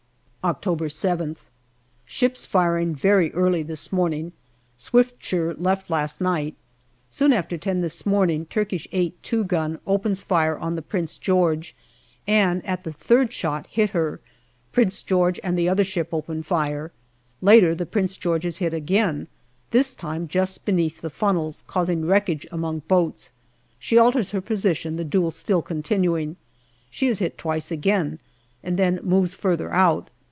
October 7th. Ships firing very early this morning. Swiftsure left last night. Soon after ten this morning Turkish^ 8' 2 gun opens fire on the Prince George, and at the third shot hit her. Prince George and the other ship open fire. Later the Prince George is hit again, this time just beneath the funnels, causing wreckage among boats. She alters her position, the duel still continuing. She is hit twice again, OCTOBER 241 and then moves further out.